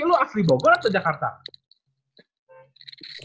lu asli bogor atau jakarta